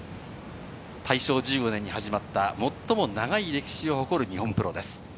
大正１５年に始まった最も長い歴史を誇る日本プロです。